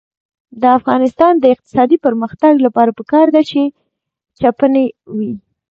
د افغانستان د اقتصادي پرمختګ لپاره پکار ده چې چپنې وي.